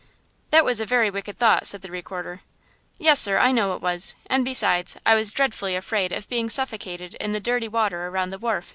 "That was a very wicked thought," said the Recorder. "Yes, sir, I know it was, and, besides, I was dreadfully afraid of being suffocated in the dirty water around the wharf!"